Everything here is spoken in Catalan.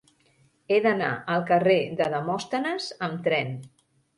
He d'anar al carrer de Demòstenes amb tren.